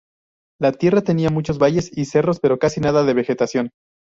La tierra tenía muchos valles y cerros pero casi nada de vegetación.